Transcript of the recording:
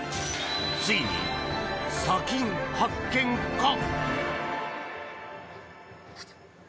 ついに砂金発見か？